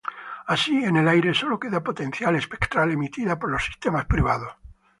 Así, en el aire solo queda potencia espectral emitida por los sistemas privados.